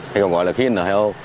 hay còn gọi là khí n hai o